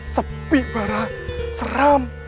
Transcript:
sepik mardian seram